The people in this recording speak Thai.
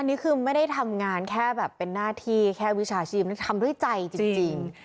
อันนี้คือไม่ได้ทำงานแค่แบบเป็นหน้าที่แค่วิชาชีพทำด้วยใจจริง